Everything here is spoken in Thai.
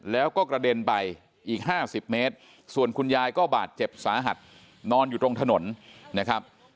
แล้วก็กระเด็นไปอีก๕๐เมตรส่วนคุณยายก็บาดเจ็บสาหัสนอนอยู่ตรงถนนนะครับ